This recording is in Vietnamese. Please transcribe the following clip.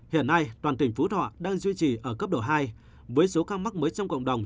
hiện nay toàn tỉnh phú thọ đang duy trì ở cấp độ hai với số ca mắc mới trong cộng đồng